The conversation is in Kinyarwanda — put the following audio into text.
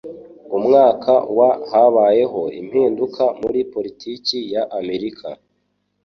Umwaka wa habaye impinduka muri politiki ya Amerika.